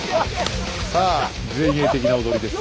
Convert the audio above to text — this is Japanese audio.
さあ前衛的な踊りです。